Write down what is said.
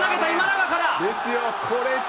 決勝で投げた今永から。